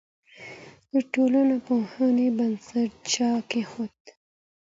د ټولنپوهنې بنسټ چا کيښود؟